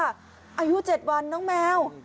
อายุ๗วันน้องแมว